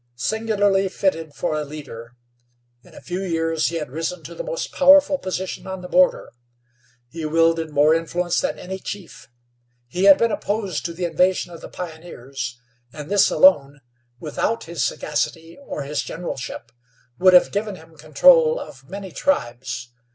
Singularly fitted for a leader, in a few years he had risen to the most powerful position on the border. He wielded more influence than any chief. He had been opposed to the invasion of the pioneers, and this alone, without his sagacity or his generalship, would have given him control of many tribes.